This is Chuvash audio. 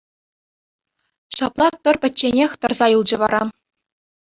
Ҫапла тӑр пӗчченех тӑрса юлчӗ вара.